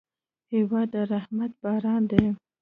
هېواد د رحمت باران دی.